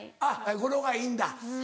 語呂がいいんだ。